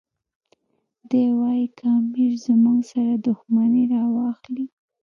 دی وایي که امیر زموږ سره دښمني راواخلي.